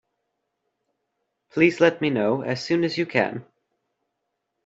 Please let me know as soon as you can